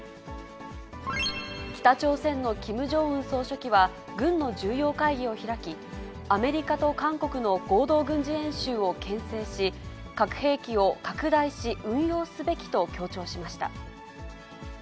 北朝鮮のキム・ジョンウン総書記は、軍の重要会議を開き、アメリカと韓国の合同軍事演習をけん制し、核兵器を拡大し、運用すべきと強調しました。